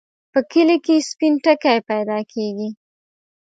په کلي کې سپين ټکی پیدا کېږي.